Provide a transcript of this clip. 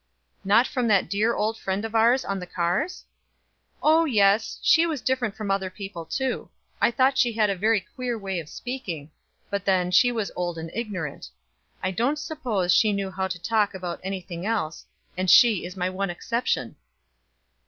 "Not from that dear old friend of ours on the cars?" "Oh yes; she was different from other people too. I thought she had a very queer way of speaking; but then she was old and ignorant. I don't suppose she knew how to talk about any thing else, and she is my one exception."